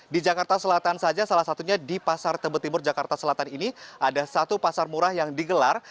di jakarta selatan saja salah satunya di pasar tebet timur jakarta selatan ini ada satu pasar murah yang digelar